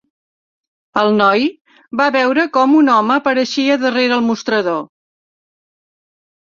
El noi va veure com un home apareixia darrere el mostrador.